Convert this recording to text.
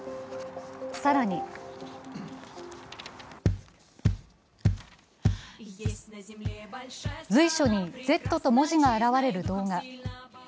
更に随所に「Ｚ」と文字が現れる動画。